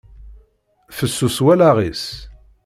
Fessus wallaɣ-is.